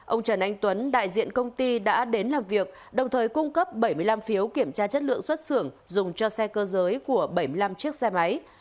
ông trần anh tuấn đại diện công ty đã đến làm việc đồng thời cung cấp bảy mươi năm phiếu kiểm tra chất lượng xuất xưởng dùng cho xe cơ giới của bảy mươi năm chiếc xe máy